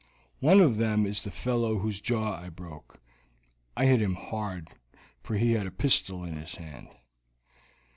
One of them is the fellow whose jaw I broke; I hit him hard, for he had a pistol in his hand."